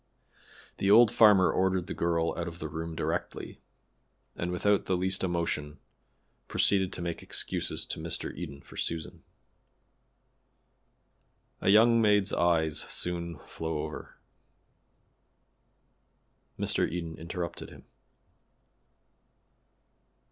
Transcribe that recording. The old farmer ordered the girl out of the room directly, and without the least emotion proceeded to make excuses to Mr. Eden for Susan. "A young maid's eyes soon flow over," etc. Mr. Eden interrupted him.